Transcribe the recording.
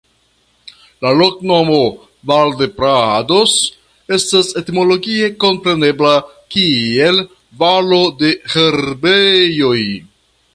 La loknomo "Valdeprados" estas etimologie komprenebla kiel Valo de Herbejoj.